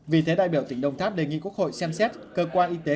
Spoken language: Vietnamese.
vì thế đại biểu tỉnh đồng tháp đề nghị quốc hội xem xét cơ quan y tế